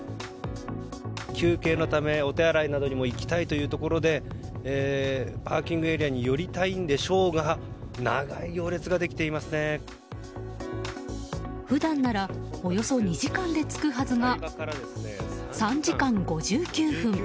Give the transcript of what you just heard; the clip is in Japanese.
休憩のため、お手洗いにも行きたいということでパーキングエリアにも行きたいんでしょうが普段なら、およそ２時間で着くはずが３時間５９分。